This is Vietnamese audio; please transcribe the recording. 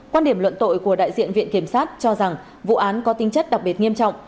quan điểm luận tội của đại diện viện kiểm sát cho rằng vụ án có tinh chất đặc biệt nghiêm trọng